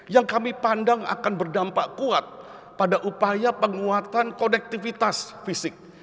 yang kami pandang akan berdampak kuat pada upaya penguatan konektivitas fisik